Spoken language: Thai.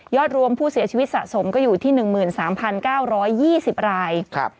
รวมผู้เสียชีวิตสะสมก็อยู่ที่๑๓๙๒๐ราย